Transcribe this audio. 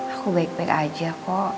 aku baik baik aja kok